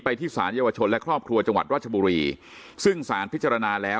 ที่สารเยาวชนและครอบครัวจังหวัดราชบุรีซึ่งสารพิจารณาแล้ว